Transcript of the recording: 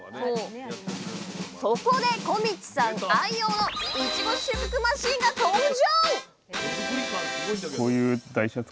そこで小道さん愛用のいちご収穫マシンが登場！